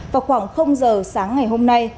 vào khoảng giờ sáng ngày hôm nay